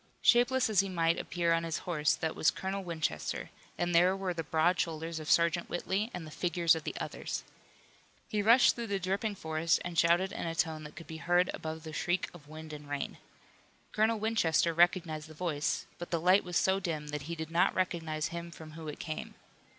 Shapeless as he might appear on his horse that was Colonel Winchester, and there were the broad shoulders of Sergeant Whitley and the figures of the others. He rushed through the dripping forest and shouted in a tone that could be heard above the shriek of wind and rain. Colonel Winchester recognized the voice, but the light was so dim that he did not recognize him from whom it came.